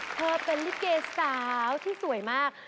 เธอเป็นลิเกสาวที่สวยมาก